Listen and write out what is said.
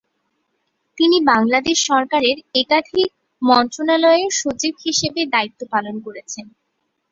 তিনি বাংলাদেশ সরকারের একাধিক মন্ত্রণালয়ের সচিব হিসাবে দায়িত্ব পালন করেছেন।